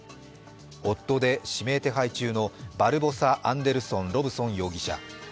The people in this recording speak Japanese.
夫で指名手配中のバルボサ・アンデルソン・ロブソン容疑者。